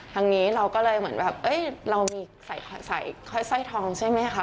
ทางนี้เราก็เลยเหมือนแบบเรามีสายทองใช่ไหมค่ะ